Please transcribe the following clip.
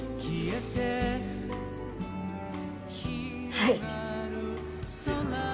はい。